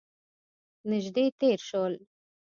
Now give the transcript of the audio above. نژدې تیر شول